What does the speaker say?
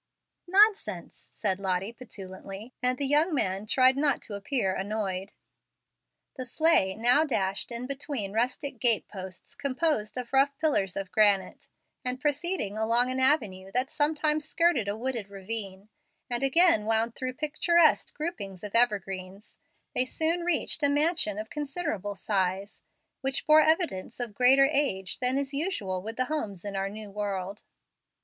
"Nonsense!" said Lottie, petulantly; and the young man tried not to appear annoyed. The sleigh now dashed in between rustic gate posts composed of rough pillars of granite; and proceeding along an avenue that sometimes skirted a wooded ravine, and again wound through picturesque groupings of evergreens, they soon reached a mansion of considerable size, which bore evidence of greater age than is usual with the homes in our new world.